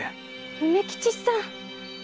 梅吉さん。